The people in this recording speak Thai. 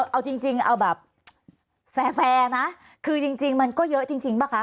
เอาจริงเอาแบบแฟร์นะคือจริงมันก็เยอะจริงป่ะคะ